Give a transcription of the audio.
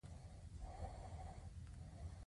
د فیوډالانو لپاره شاړې ځمکې هیڅ ارزښت نه درلود.